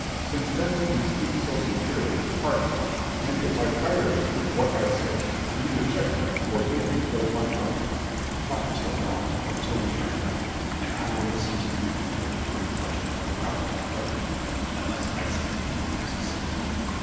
Since then we can speak so securely, hearken; and if I tire you with what I say, either check me or bid me hold my tongue. Scip. Talk till dawn, or till we are heard, and I will listen to you with very great pleasure, without interrupting you, unless I see it to be necessary.